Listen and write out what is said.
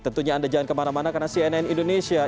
tentunya anda jangan kemana mana karena cnn indonesia